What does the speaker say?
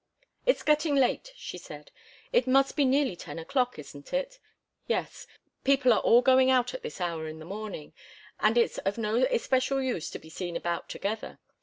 "It's getting late," she said. "It must be nearly ten o'clock, isn't it? Yes. People are all going out at this hour in the morning, and it's of no especial use to be seen about together.